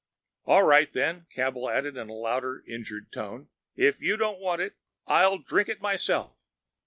"All right, then," Campbell added in a louder, injured tone. "If you don't want it, I'll drink it myself."